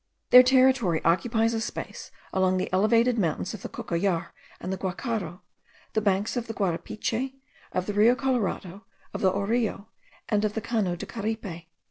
Their territory occupies a space along the elevated mountains of the Cocollar and the Guacharo, the banks of the Guarapiche, of the Rio Colorado, of the Areo, and of the Cano de Caripe.